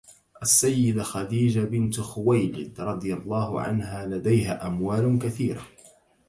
السيدة خديجة بنت خويلد رضي الله عنها لديها أموال كثيرة